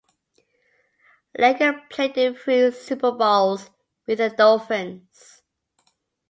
Langer played in three Super Bowls with the Dolphins.